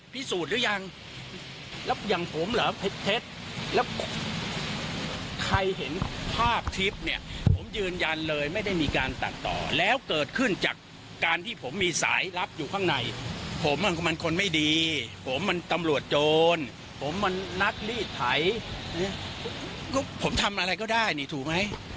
ผมมันนักรีดไถผมทำอะไรก็ได้ถูกไหม